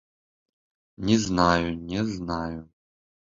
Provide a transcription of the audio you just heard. Не знаю, не знаю.